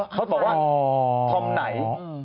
เขาบอกว่าธอมไหน